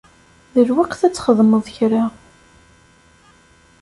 D lweqt ad txedmeḍ kra.